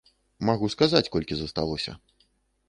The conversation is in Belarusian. Магу сказаць, колькі засталося.